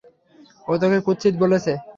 ও তোকে কুৎসিত বলেছে?